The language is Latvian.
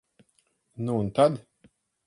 Nu un tad?